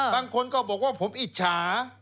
บางคนก็บอกว่าผมอิจฉา